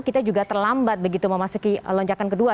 kita juga terlambat begitu mau masuk ke lonjakan kedua